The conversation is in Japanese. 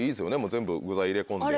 全部具材入れ込んで。